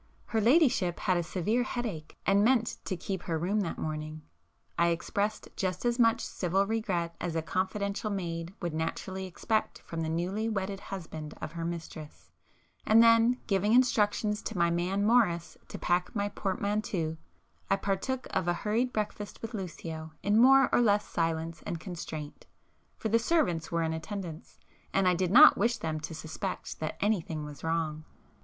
Her ladyship had a severe headache and meant to keep her room that morning. I expressed just as much civil regret as a confidential maid would naturally expect from the newly wedded husband of her mistress,—and then, giving instructions to my man Morris to pack my portmanteau, I partook of a hurried breakfast with Lucio in more or less silence and constraint, for the servants were in attendance, and I did not wish them to suspect that anything was wrong.